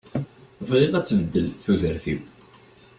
Bɣiɣ ad tbeddel tudert-iw.